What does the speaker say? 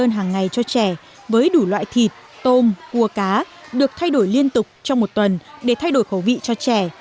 đơn hàng ngày cho trẻ với đủ loại thịt tôm cua cá được thay đổi liên tục trong một tuần để thay đổi khẩu vị cho trẻ